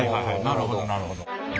なるほどなるほど。